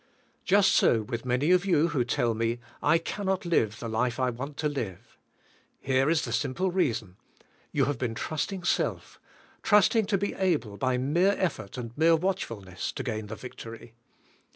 Just so with many of you who tell me, "I cannot live the life I want to live." Here is the simple reason. You have been trusting self, trust ing to be able by mere effort and mere watchfulness to gain the victory.